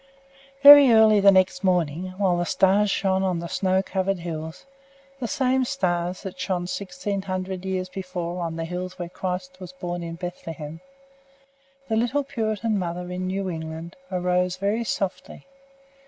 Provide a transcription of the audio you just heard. Very early the next morning, while the stars shone on the snow covered hills the same stars that shone sixteen hundred years before on the hills when Christ was born in Bethlehem the little Puritan mother in New England arose very softly.